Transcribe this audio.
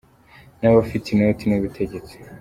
N’abafite inoti n’ubutegetsi